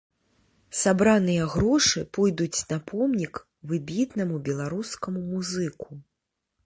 Сабраныя грошы пойдуць на помнік выбітнаму беларускаму музыку.